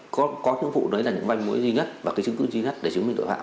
có những vụ đấy là những manh mối duy nhất và cái chứng cứ duy nhất để chứng minh tội phạm